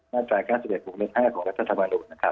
มาตรภาพ๙๗๖๕ของทัชธรรมาณุน